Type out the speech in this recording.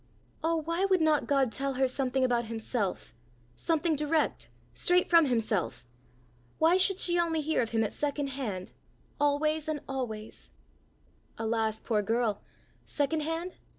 Oh, why would not God tell her something about himself something direct straight from himself? Why should she only hear of him at second hand always and always? Alas, poor girl! second hand?